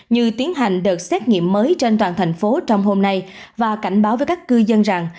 như tiến hành đợt xét nghiệm mới trên toàn thành phố trong hôm nay và cảnh báo với các cư dân rằng